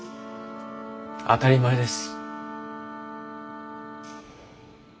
当たり前です。